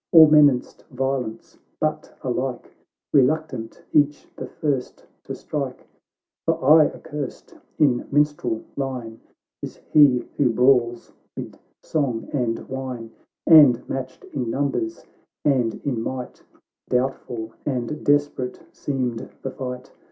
All menaced violence, but alike Beluctant each the first to strike, (For aye accursed in minstrel line Is he who brawls 'mid song and wine, And, matched in numbers and in might, Doubtful aud desperate seemed the fight.)